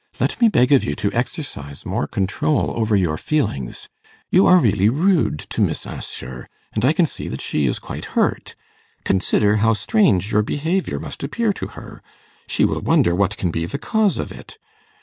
Let me beg of you to exercise more control over your feelings; you are really rude to Miss Assher, and I can see that she is quite hurt. Consider how strange your behaviour must appear to her. She will wonder what can be the cause of it.